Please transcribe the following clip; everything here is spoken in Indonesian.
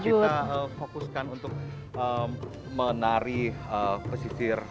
jadi yang harus kita fokuskan untuk menari pesisir